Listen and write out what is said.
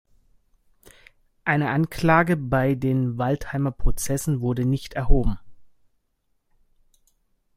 Eine Anklage bei den Waldheimer Prozessen wurde nicht erhoben.